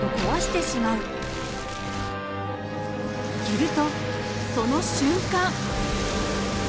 するとその瞬間！